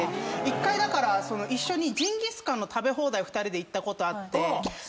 １回だから一緒にジンギスカンの食べ放題２人で行ったことあって。